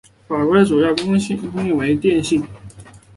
法国的主要工业为电信。